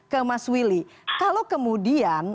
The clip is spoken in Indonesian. ke mas willy kalau kemudian